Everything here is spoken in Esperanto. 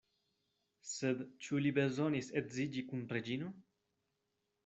Sed ĉu li bezonis edziĝi kun Reĝino?